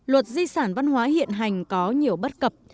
luật di sản văn hóa hiện hành có nhiều bất cập